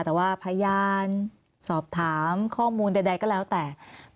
แต่ว่าพยานสอบถามข้อมูลใดก็แล้วแต่